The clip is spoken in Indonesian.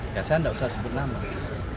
ya saya nggak usah sebut nama itu